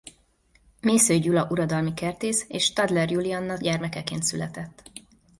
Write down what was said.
Mészöly Gyula uradalmi kertész és Stadler Julianna gyermekeként született.